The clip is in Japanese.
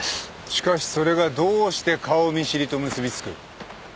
しかしそれがどうして顔見知りと結びつく？